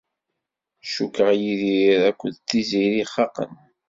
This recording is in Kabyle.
Cukkeɣ Yidir akked Tiziri xaqen.